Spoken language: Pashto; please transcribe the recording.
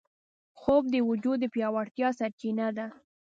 خوب د وجود د پیاوړتیا سرچینه ده